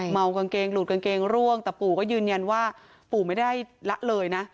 กางเกงหลุดกางเกงร่วงแต่ปู่ก็ยืนยันว่าปู่ไม่ได้ละเลยนะ